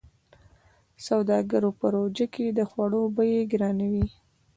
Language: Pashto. سوداګرو په روژه کې د خوړو بيې ګرانوي.